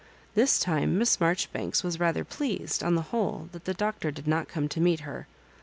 This time Miss Maijoribanks was rather pleased, on the whole, that the Doctor did not come to meet her.